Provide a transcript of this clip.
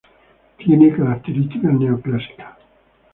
Tiene características neoclásicas.